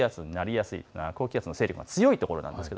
高気圧の勢力が強いところです。